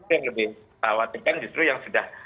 yang lebih khawatir kan justru yang sudah